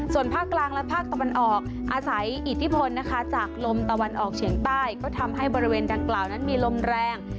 ส่วนภาคกลางและภาคตะวันออกอาศัยอิทธิพลนะคะจากลมตะวันออกเฉียงใต้ก็ทำให้บริเวณดังกล่าวนั้นมีลมแรง